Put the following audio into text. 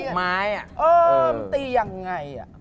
เออมันตียังไงอ่ะ